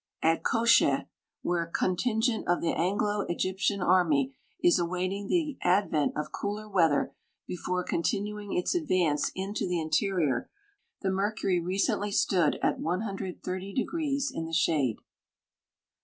At Kosheh, where a contingent of the Anglo Egyptian army is await ing the advent of cooler weather before continuing its advance into the interior, the mercury recently stood at 130° in the shade.